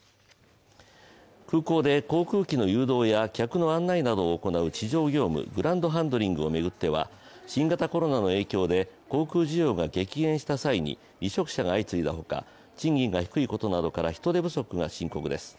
空港で航空機の誘導や客の案内などを行う地上業務、グランドハンドリングを巡っては、新型コロナの影響で航空需要が激減した際に離職者が相次いだほか賃金が低いことなどから人手不足が深刻です。